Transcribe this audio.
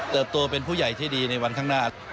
ตัวเป็นผู้ใหญ่ที่ดีในวันข้างหน้า